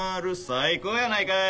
最高やないかい。